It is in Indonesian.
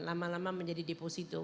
lama lama menjadi deposito